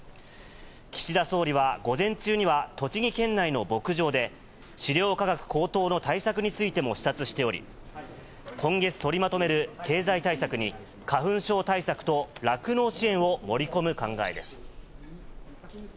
岸田総理は、午前中には栃木県内の牧場で、飼料価格高騰の対策についても視察しており、今月取りまとめる経済対策に、花粉症対策と酪農支援を盛り込む考えです。